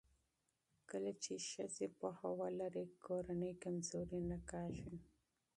کله چې ښځې پوهاوی ولري، کورنۍ کمزورې نه کېږي.